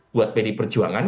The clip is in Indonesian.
buat pdi perjuangan